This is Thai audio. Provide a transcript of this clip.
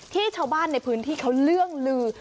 ชาวบ้านในพื้นที่เขาเรื่องลือ